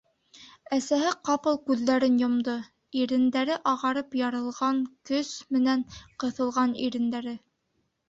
Әсәһе ҡапыл күҙҙәрен йомдо, ирендәре, ағарып ярылған, көс менән ҡыҫылған ирендәре: